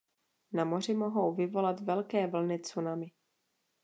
Na moři mohou vyvolat velké vlny tsunami.